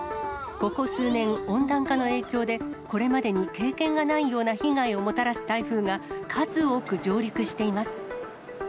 ここ数年、温暖化の影響で、これまでに経験がないような被害をもたらす台風が、数多く上陸しています。